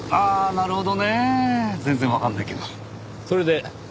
なるほど。